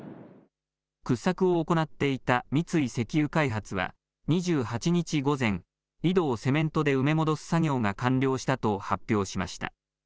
掘削を行っていた三井石油開発は２８日午前、井戸をセメントで埋め戻す作業が完了したと発表しました。